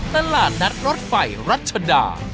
ตลาดนัดรถไฟภูเขา